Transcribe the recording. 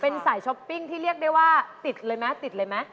เป็นสายช้อปปิ้งที่เรียกได้ว่าติดเลยไหมติดเลยไหม